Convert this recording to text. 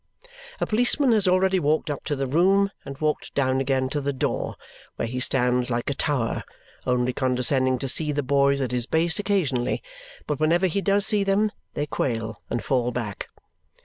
A policeman has already walked up to the room, and walked down again to the door, where he stands like a tower, only condescending to see the boys at his base occasionally; but whenever he does see them, they quail and fall back.